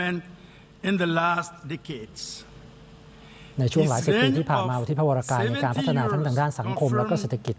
ในช่วงหลายสิบปีที่ผ่านมาที่พระวรกายในการพัฒนาทั้งทางด้านสังคมแล้วก็เศรษฐกิจ